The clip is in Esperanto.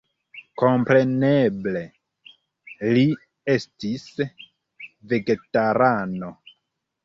Kompreneble, li estis vegetarano.